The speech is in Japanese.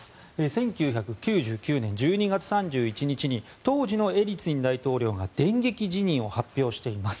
１９９９年１２月３１日に当時のエリツィン大統領が電撃辞任を発表しています。